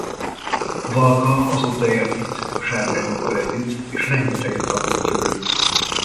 Valka azóta élt itt a sárkányokkal együtt és rengeteget tanult tőlük.